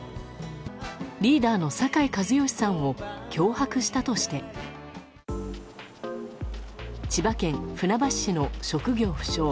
リーダーの酒井一圭さんを脅迫したとして千葉県船橋市の職業不詳